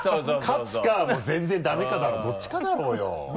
勝つかもう全然ダメかだろどっちかだろうよ。